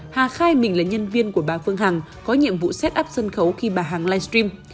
hà khai mình là nhân viên của bà phương hằng có nhiệm vụ xét áp sân khấu khi bà hằng livestream